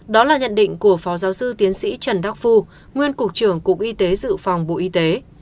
đó là nhận định của phó giáo sư tiến sĩ trần đắc phu nguyên cục trưởng cục y tế dự phòng bộ y tế